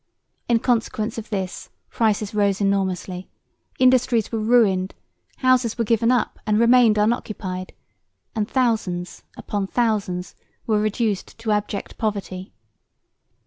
In consequence of this prices rose enormously, industries were ruined, houses were given up and remained unoccupied, and thousands upon thousands were reduced to abject poverty.